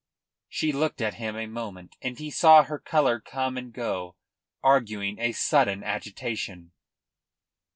She looked at him a moment, and he saw her colour come and go, arguing a sudden agitation.